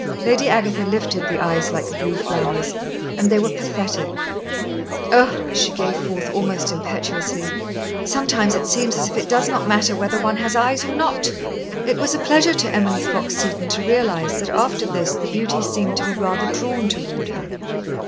Lady Agatha lifted the eyes like blue flowers, and they were pathetic. "Oh!" she gave forth almost impetuously, "sometimes it seems as if it does not matter whether one has eyes or not." It was a pleasure to Emily Fox Seton to realise that after this the beauty seemed to be rather drawn toward her.